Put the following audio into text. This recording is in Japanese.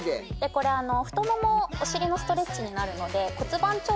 これあの太ももお尻のストレッチになるのでそうだね